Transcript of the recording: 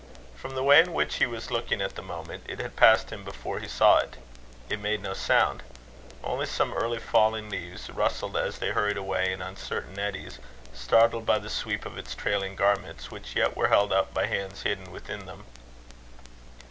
From the way in which he was looking at the moment, it had passed him before he saw it. It made no sound. Only some early fallen leaves rustled as they hurried away in uncertain eddies, startled by the sweep of its trailing garments, which yet were held up by hands hidden within them.